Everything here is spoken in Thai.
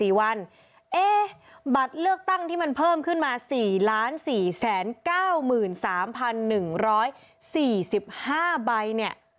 บัตรเลือกตั้งที่มันเพิ่มขึ้นมา๔๔๙๓๑๔๕ใบเนี่ย